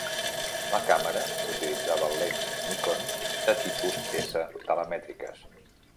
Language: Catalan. La càmera utilitzava lents Nikon de tipus "S" telemètriques.